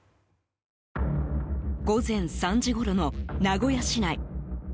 午前３時ごろの名古屋市内。